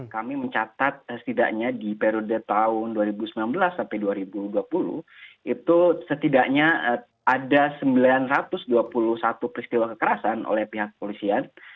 kami mencatat setidaknya di periode tahun dua ribu sembilan belas sampai dua ribu dua puluh itu setidaknya ada sembilan ratus dua puluh satu peristiwa kekerasan oleh pihak polisian